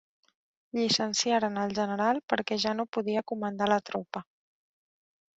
Llicenciaren el general perquè ja no podia comandar la tropa.